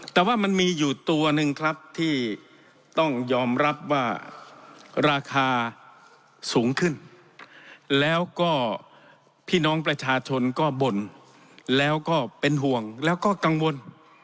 แต่ว่ามันมีอยู่ตัวหนึ่งครับที่ต้องยอมรับว่าราคาสูงขึ้นแล้วก็พี่น้องประชาชนก็บ่นแล้วก็เป็นห่วงแล้วก็กังวล